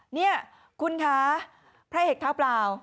นี่คุณคะพระเอกเท้าเปล่า